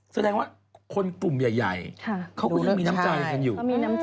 แสดงว่าคนกลุ่มใหญ่เขาก็ยังมีน้ำใจกันอยู่